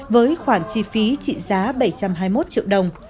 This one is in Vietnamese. với khoản chi phí trị giá bảy trăm hai mươi một triệu đồng